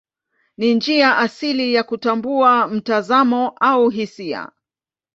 Ni njia asili ya kutambua mtazamo au hisia.